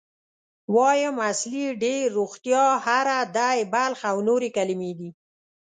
وایم، اصلي، ډېر، روغتیا، هره، دی، بلخ او نورې کلمې دي.